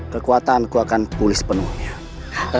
kekuatanku akan pulis penuhnya